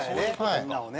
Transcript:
みんなをね。